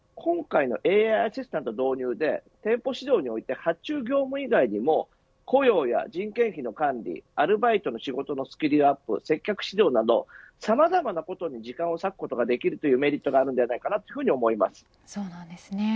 なので今回のＡＩアシスタントの導入で店舗指導において業務以外にも雇用や人件費の管理アルバイトの仕事のスキルアップ接客指導など、さまざまなことに時間を割くことができるというメリットがあるのではないかそうなんですね。